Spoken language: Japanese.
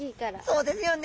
そうですよね。